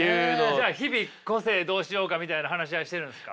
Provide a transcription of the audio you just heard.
じゃあ日々個性どうしようかみたいな話し合いしてるんですか？